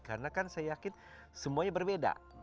karena kan saya yakin semuanya berbeda